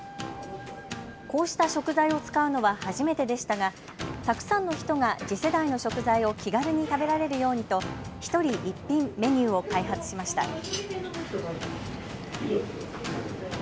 こうした食材を使うのは初めてでしたがたくさんの人が次世代の食材を気軽に食べられるようにと１人１品、メニューを開発しました。